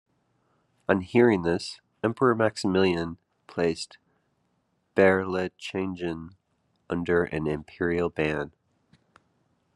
On hearing this, Emperor Maximilian placed Berlichingen under an Imperial ban.